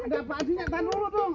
ada apaan sih nyetan dulu dong